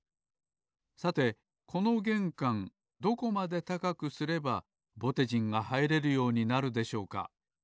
さてこのげんかんどこまで高くすればぼてじんがはいれるようになるでしょうか？